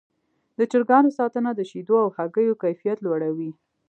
د چرګانو ساتنه د شیدو او هګیو کیفیت لوړوي.